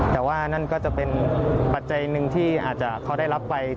แต่ว่านั่นก็จะเป็นปัจจัยหนึ่งที่อาจจะเขาได้รับไป